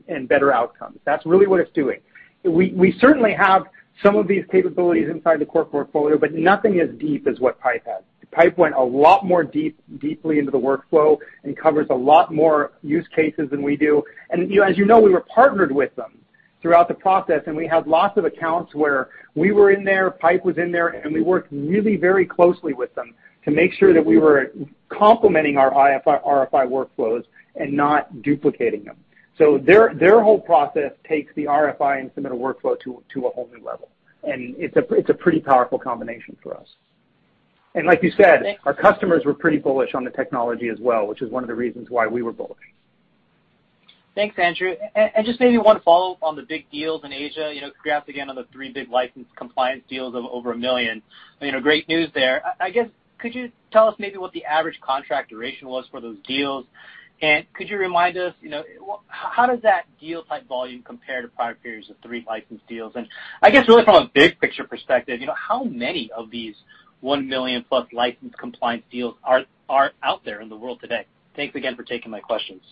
and better outcomes. That's really what it's doing. We certainly have some of these capabilities inside the core portfolio, but nothing as deep as what Pype has. Pype went a lot more deeply into the workflow and covers a lot more use cases than we do. As you know, we were partnered with them throughout the process, and we had lots of accounts where we were in there, Pype was in there, and we worked really very closely with them to make sure that we were complementing our RFI workflows and not duplicating them. Their whole process takes the RFI and submittal workflow to a whole new level. It's a pretty powerful combination for us. Like you said, our customers were pretty bullish on the technology as well, which is one of the reasons why we were bullish. Thanks, Andrew. Just maybe one follow-up on the big deals in Asia. Congrats again on the three big license compliance deals of over a million. Great news there. I guess, could you tell us maybe what the average contract duration was for those deals? Could you remind us, how does that deal type volume compare to prior periods of three licensed deals? I guess really from a big picture perspective, how many of these one million plus licensed compliance deals are out there in the world today? Thanks again for taking my questions.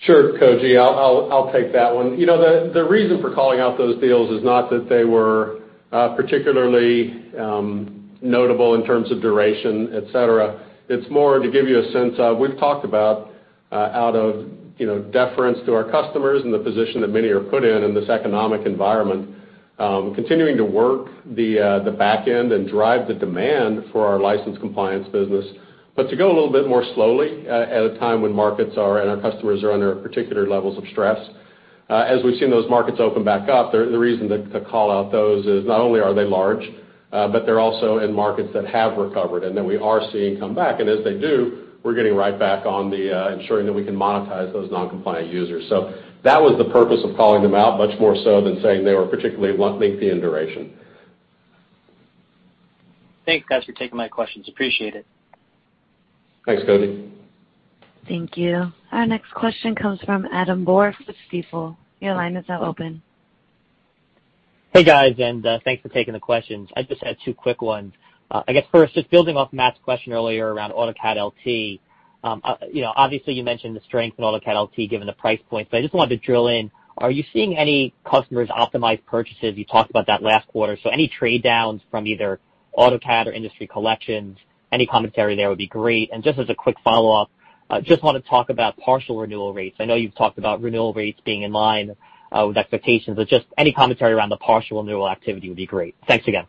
Sure, Koji. I'll take that one. The reason for calling out those deals is not that they were particularly notable in terms of duration, et cetera. It's more to give you a sense of, we've talked about out of deference to our customers and the position that many are put in this economic environment. Continuing to work the back end and drive the demand for our license compliance business. To go a little bit more slowly at a time when markets are, and our customers are under particular levels of stress. As we've seen those markets open back up, the reason to call out those is not only are they large, but they're also in markets that have recovered and that we are seeing come back. As they do, we're getting right back on the ensuring that we can monetize those non-compliant users. That was the purpose of calling them out much more so than saying they were particularly lengthy in duration. Thanks, guys, for taking my questions. Appreciate it. Thanks, Koji. Thank you. Our next question comes from Adam Borg with Stifel. Your line is now open. Hey, guys, thanks for taking the questions. I just had two quick ones. I guess first, just building off Matt's question earlier around AutoCAD LT. Obviously, you mentioned the strength in AutoCAD LT, given the price point. I just wanted to drill in. Are you seeing any customers optimize purchases? You talked about that last quarter. Any trade-downs from either AutoCAD or industry collections, any commentary there would be great. Just as a quick follow-up, just want to talk about partial renewal rates. I know you've talked about renewal rates being in line with expectations. Just any commentary around the partial renewal activity would be great. Thanks again.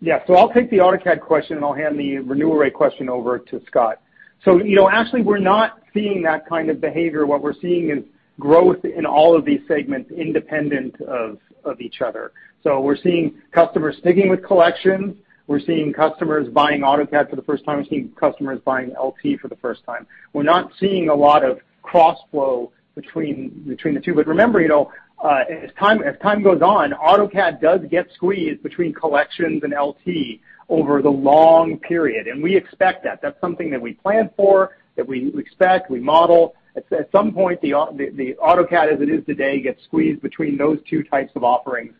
Yeah. I'll take the AutoCAD question, and I'll hand the renewal rate question over to Scott. Actually, we're not seeing that kind of behavior. What we're seeing is growth in all of these segments independent of each other. We're seeing customers sticking with collections. We're seeing customers buying AutoCAD for the first time. We're seeing customers buying LT for the first time. We're not seeing a lot of crossflow between the two. Remember, as time goes on, AutoCAD does get squeezed between collections and LT over the long period, and we expect that. That's something that we plan for, that we expect, we model. At some point, the AutoCAD as it is today gets squeezed between those two types of offerings.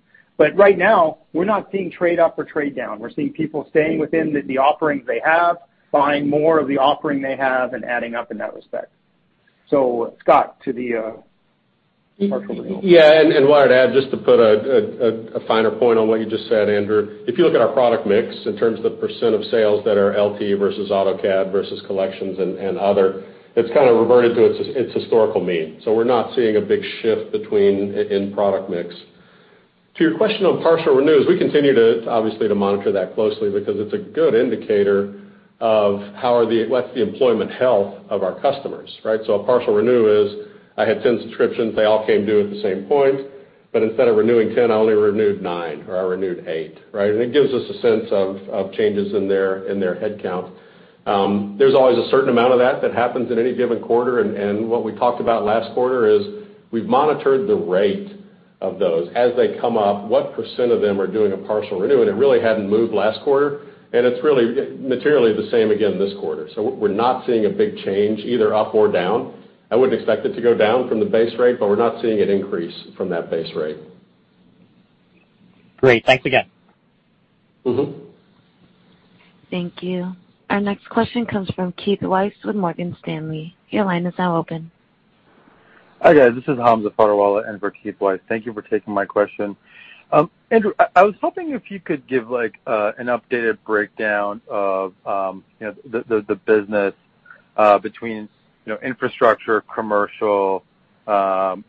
Right now, we're not seeing trade up or trade down. We're seeing people staying within the offerings they have, buying more of the offering they have, and adding up in that respect. Scott, to the partial renewal. What I'd add, just to put a finer point on what you just said, Andrew. If you look at our product mix in terms of the percent of sales that are LT versus AutoCAD versus collections and other, it's kind of reverted to its historical mean. We're not seeing a big shift in product mix. To your question on partial renewals, we continue to obviously monitor that closely because it's a good indicator of what's the employment health of our customers, right? A partial renew is, I had 10 subscriptions, they all came due at the same point, but instead of renewing 10, I only renewed nine, or I renewed eight, right? It gives us a sense of changes in their headcount. There's always a certain amount of that that happens in any given quarter. What we talked about last quarter is we've monitored the rate of those. As they come up, what percent of them are doing a partial renew? It really hadn't moved last quarter. It's really materially the same again this quarter. We're not seeing a big change either up or down. I wouldn't expect it to go down from the base rate. We're not seeing it increase from that base rate. Great. Thanks again. Thank you. Our next question comes from Keith Weiss with Morgan Stanley. Hi, guys. This is Hamza Fodderwala in for Keith Weiss. Thank you for taking my question. Andrew, I was hoping if you could give an updated breakdown of the business between infrastructure, commercial,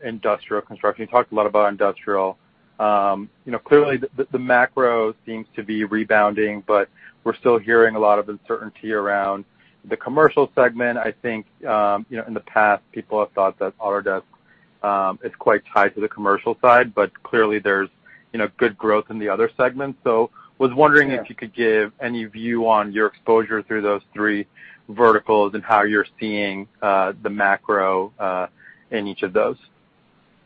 industrial construction. You talked a lot about industrial. Clearly, the macro seems to be rebounding, but we're still hearing a lot of uncertainty around the commercial segment. I think, in the past, people have thought that Autodesk is quite tied to the commercial side, but clearly there's good growth in the other segments. Was wondering if you could give any view on your exposure through those three verticals and how you're seeing the macro in each of those.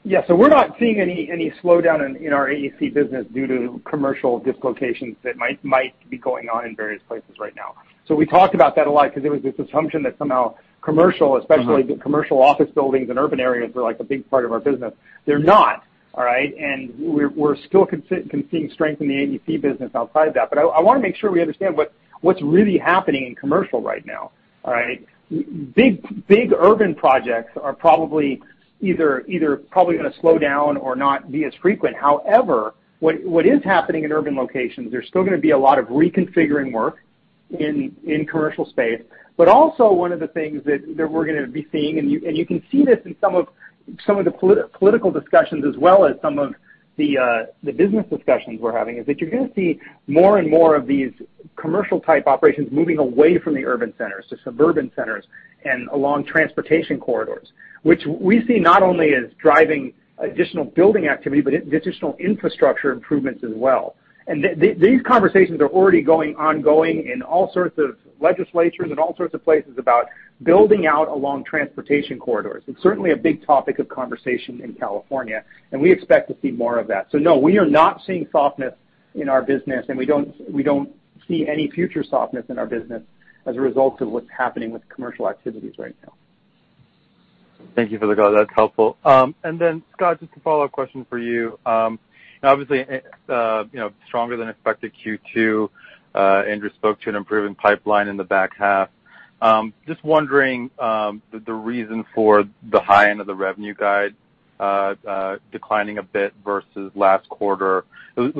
Yeah. We're not seeing any slowdown in our AEC business due to commercial dislocations that might be going on in various places right now. We talked about that a lot because there was this assumption that somehow commercial, especially commercial office buildings in urban areas, were a big part of our business. They're not, all right? We're still seeing strength in the AEC business outside that. I want to make sure we understand what's really happening in commercial right now, all right? Big urban projects are probably going to slow down or not be as frequent. However, what is happening in urban locations, there's still going to be a lot of reconfiguring work in commercial space. Also one of the things that we're going to be seeing, and you can see this in some of the political discussions as well as some of the business discussions we're having, is that you're going to see more and more of these commercial-type operations moving away from the urban centers to suburban centers and along transportation corridors, which we see not only as driving additional building activity, but additional infrastructure improvements as well. These conversations are already ongoing in all sorts of legislatures and all sorts of places about building out along transportation corridors. It's certainly a big topic of conversation in California, and we expect to see more of that. No, we are not seeing softness in our business, and we don't see any future softness in our business as a result of what's happening with commercial activities right now. Thank you for the guide. That's helpful. Then Scott, just a follow-up question for you. Obviously, stronger than expected Q2. Andrew spoke to an improving pipeline in the back half. Just wondering, the reason for the high end of the revenue guide declining a bit versus last quarter. Was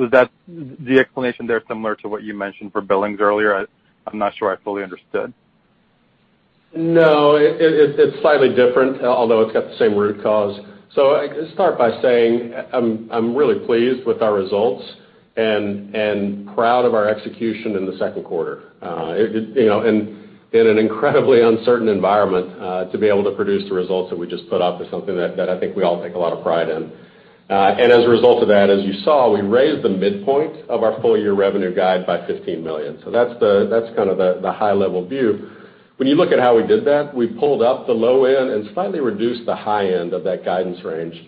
the explanation there similar to what you mentioned for billings earlier? I'm not sure I fully understood. No, it's slightly different, although it's got the same root cause. I can start by saying I'm really pleased with our results and proud of our execution in the second quarter. In an incredibly uncertain environment, to be able to produce the results that we just put up is something that I think we all take a lot of pride in. As a result of that, as you saw, we raised the midpoint of our full-year revenue guide by $15 million. That's the high-level view. When you look at how we did that, we pulled up the low end and slightly reduced the high end of that guidance range.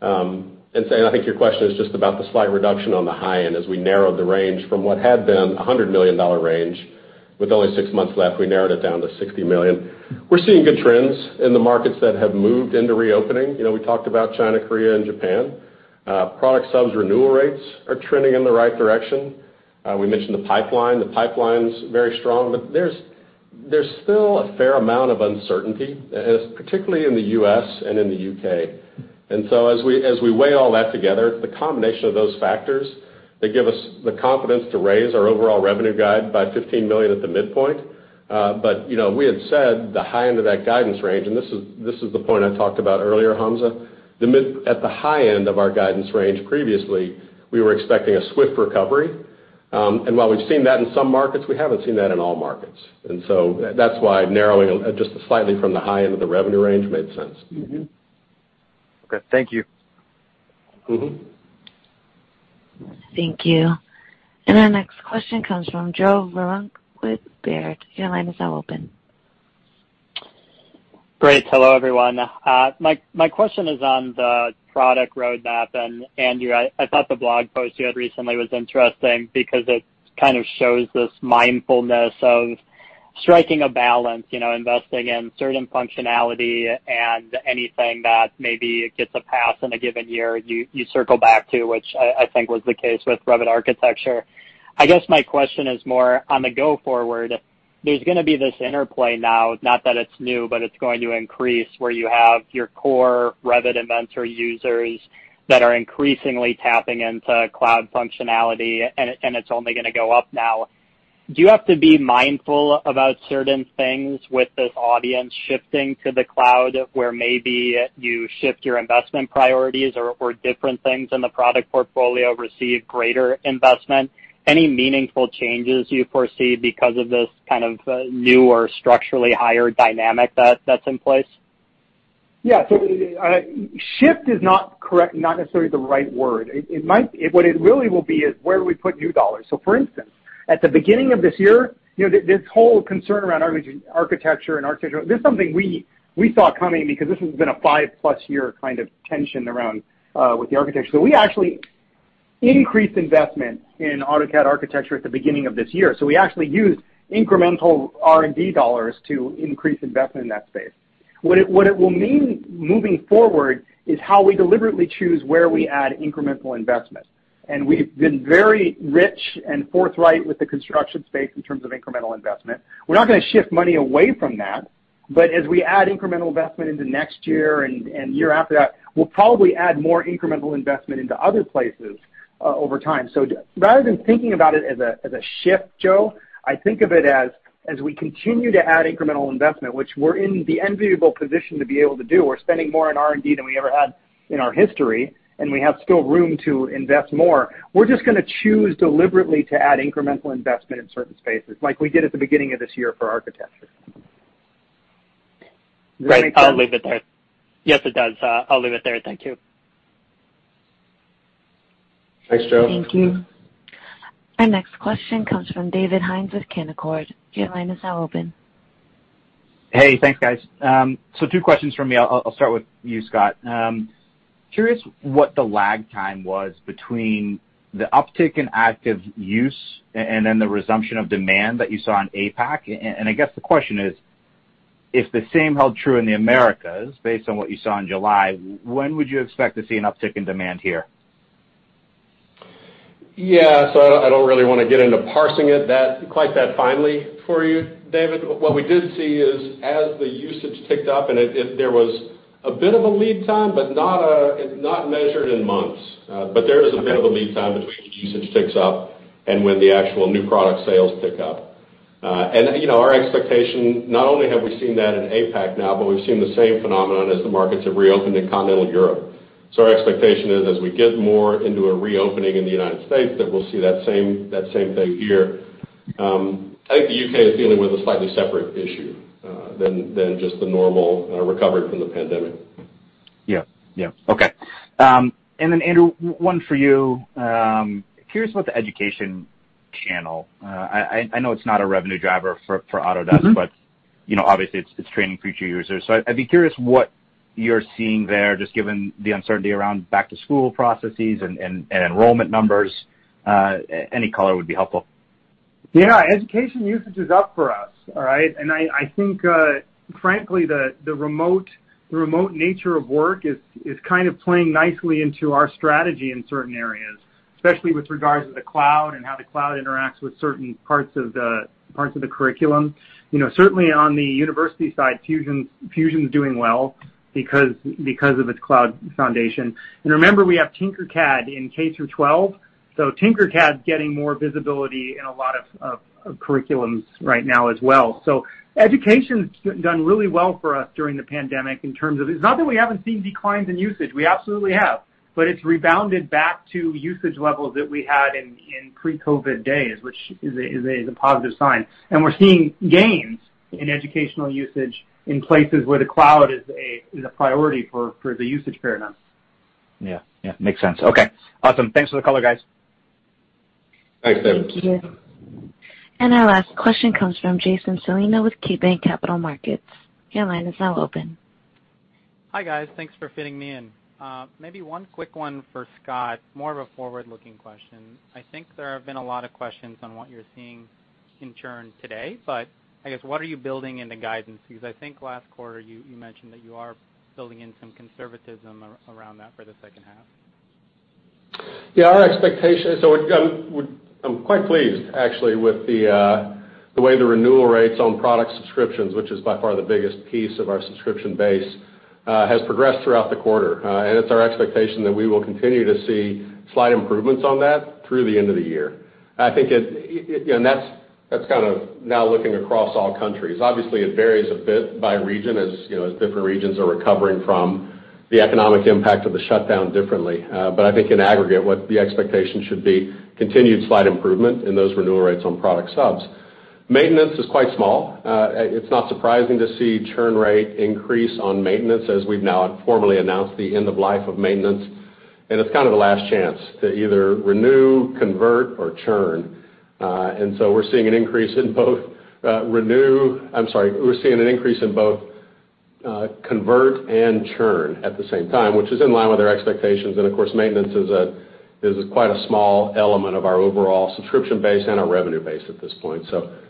I think your question is just about the slight reduction on the high end as we narrowed the range from what had been $100 million range with only six months left, we narrowed it down to $60 million. We're seeing good trends in the markets that have moved into reopening. We talked about China, Korea, and Japan. Product subs renewal rates are trending in the right direction. We mentioned the pipeline. The pipeline's very strong, but there's still a fair amount of uncertainty, particularly in the U.S. and in the U.K. As we weigh all that together, the combination of those factors, they give us the confidence to raise our overall revenue guide by $15 million at the midpoint. We had said the high end of that guidance range, and this is the point I talked about earlier, Hamza, at the high end of our guidance range previously, we were expecting a swift recovery. While we've seen that in some markets, we haven't seen that in all markets. That's why narrowing just slightly from the high end of the revenue range made sense. Mm-hmm. Okay. Thank you. Thank you. Our next question comes from Joe Vruwink with Baird. Your line is now open. Great. Hello, everyone. My question is on the product roadmap, Andrew, I thought the blog post you had recently was interesting because it kind of shows this mindfulness of striking a balance, investing in certain functionality and anything that maybe gets a pass in a given year, you circle back to, which I think was the case with Revit Architecture. I guess my question is more on the go forward. There's going to be this interplay now, not that it's new, but it's going to increase where you have your core Revit, Inventor users that are increasingly tapping into cloud functionality, and it's only going to go up now. Do you have to be mindful about certain things with this audience shifting to the cloud, where maybe you shift your investment priorities or different things in the product portfolio receive greater investment? Any meaningful changes you foresee because of this kind of newer structurally higher dynamic that's in place? Yeah. Shift is not necessarily the right word. What it really will be is where do we put new dollars? For instance, at the beginning of this year, this whole concern around architecture and architecture, this is something we saw coming because this has been a 5+ year kind of tension around with the architecture. We actually increased investment in AutoCAD Architecture at the beginning of this year. We actually used incremental R&D dollars to increase investment in that space. What it will mean moving forward is how we deliberately choose where we add incremental investment. We've been very rich and forthright with the construction space in terms of incremental investment. We're not going to shift money away from that, but as we add incremental investment into next year and year after that, we'll probably add more incremental investment into other places over time. Rather than thinking about it as a shift, Joe, I think of it as we continue to add incremental investment, which we're in the enviable position to be able to do. We're spending more on R&D than we ever had in our history, and we have still room to invest more. We're just going to choose deliberately to add incremental investment in certain spaces, like we did at the beginning of this year for architecture. Great. I'll leave it there. Yes, it does. I'll leave it there. Thank you. Thanks, Joe. Thank you. Our next question comes from David Hynes with Canaccord. Your line is now open. Hey, thanks, guys. Two questions from me. I'll start with you, Scott. Curious what the lag time was between the uptick in active use and then the resumption of demand that you saw in APAC. I guess the question is, if the same held true in the Americas based on what you saw in July, when would you expect to see an uptick in demand here? Yeah. I don't really want to get into parsing it quite that finely for you, David. What we did see is as the usage ticked up, and there was a bit of a lead time, but not measured in months. There is a bit of a lead time between usage ticks up and when the actual new product sales tick up. Our expectation, not only have we seen that in APAC now, but we've seen the same phenomenon as the markets have reopened in continental Europe. Our expectation is as we get more into a reopening in the U.S., that we'll see that same thing here. I think the U.K. is dealing with a slightly separate issue than just the normal recovery from the pandemic. Yeah. Okay. Andrew, one for you. Curious about the education channel. I know it's not a revenue driver for Autodesk- Obviously, it's training future users. I'd be curious what you're seeing there, just given the uncertainty around back-to-school processes and enrollment numbers. Any color would be helpful. Yeah. Education usage is up for us. All right? I think, frankly, the remote nature of work is playing nicely into our strategy in certain areas, especially with regards to the cloud and how the cloud interacts with certain parts of the curriculum. Certainly, on the university side, Fusion's doing well because of its cloud foundation. Remember, we have Tinkercad in K through to 12. Tinkercad's getting more visibility in a lot of curriculums right now as well. Education's done really well for us during the pandemic. It's not that we haven't seen declines in usage. We absolutely have. It's rebounded back to usage levels that we had in pre-COVID days, which is a positive sign. We're seeing gains in educational usage in places where the cloud is a priority for the usage paradigm. Yeah. Makes sense. Okay, awesome. Thanks for the color, guys. Thanks, David. Thank you. Our last question comes from Jason Celino with KeyBanc Capital Markets. Your line is now open. Hi, guys. Thanks for fitting me in. One quick one for Scott, more of a forward-looking question. There have been a lot of questions on what you're seeing in churn today. I guess, what are you building in the guidance? Last quarter, you mentioned that you are building in some conservatism around that for the second half. Yeah. I'm quite pleased, actually, with the way the renewal rates on product subscriptions, which is by far the biggest piece of our subscription base, has progressed throughout the quarter. It's our expectation that we will continue to see slight improvements on that through the end of the year. That's now looking across all countries. Obviously, it varies a bit by region as different regions are recovering from the economic impact of the shutdown differently. I think in aggregate, what the expectation should be, continued slight improvement in those renewal rates on product subs. Maintenance is quite small. It's not surprising to see churn rate increase on maintenance, as we've now formally announced the end of life of maintenance, and it's the last chance to either renew, convert, or churn. We're seeing an increase in both convert and churn at the same time, which is in line with our expectations. Of course, maintenance is quite a small element of our overall subscription base and our revenue base at this point.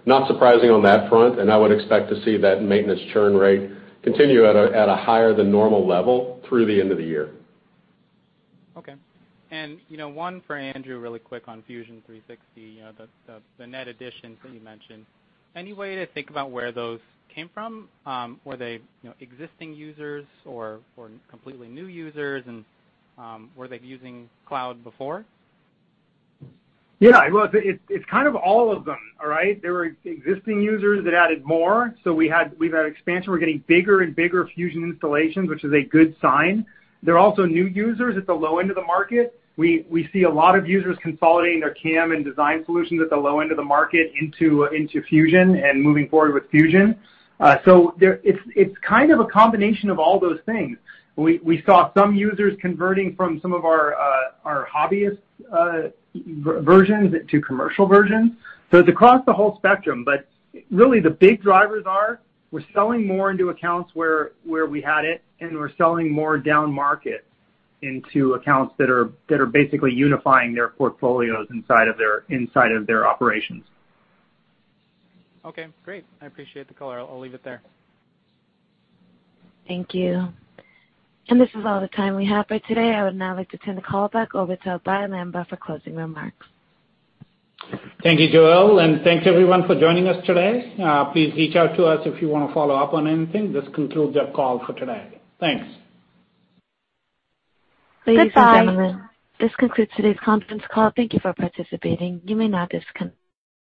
Not surprising on that front, and I would expect to see that maintenance churn rate continue at a higher than normal level through the end of the year. Okay. One for Andrew, really quick on Fusion 360, the net additions that you mentioned. Any way to think about where those came from? Were they existing users or completely new users, and were they using cloud before? Yeah. It's all of them. All right? There were existing users that added more. We've had expansion. We're getting bigger and bigger Fusion installations, which is a good sign. There are also new users at the low end of the market. We see a lot of users consolidating their CAM and design solutions at the low end of the market into Fusion and moving forward with Fusion. It's a combination of all those things. We saw some users converting from some of our hobbyist versions to commercial versions. It's across the whole spectrum. Really, the big drivers are, we're selling more into accounts where we had it, and we're selling more down market into accounts that are basically unifying their portfolios inside of their operations. Okay, great. I appreciate the color. I'll leave it there. Thank you. This is all the time we have for today. I would now like to turn the call back over to Abhey Lamba for closing remarks. Thank you, Joelle. Thanks everyone for joining us today. Please reach out to us if you want to follow up on anything. This concludes our call for today. Thanks. Ladies and gentlemen. Goodbye This concludes today's conference call. Thank you for participating. You may now disconnect.